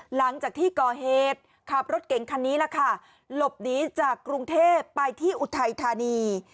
หลังจากที่ก่อเหตุขับรถเก่งคันนี้ล่ะค่ะหลบหนีจากกรุงเทพไปที่อุทัยธานี